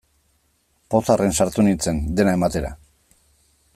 Pozarren sartu nintzen, dena ematera.